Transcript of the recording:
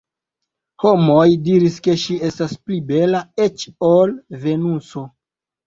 Homoj diris, ke ŝi estas pli bela eĉ ol Venuso.